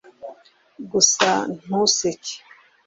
gusa ntuseke